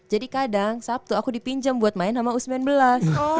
jadi kadang sabtu aku dipinjam buat main sama usman belas